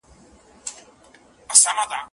د ورځو په رڼا کي خو نصیب نه وو منلي